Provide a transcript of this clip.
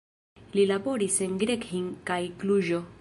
Li laboris en Reghin kaj Kluĵo.